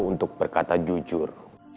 untuk berkata jujur